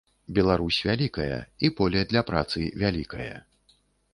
Беларусь вялікая, і поле для працы вялікае.